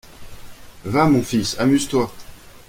Va, mon fils, amuse-toi…